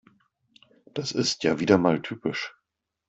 Das ist ja wieder mal typisch.